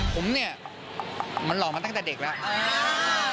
ผมเนี่ยมันหล่อมาตั้งแต่เด็กแล้ว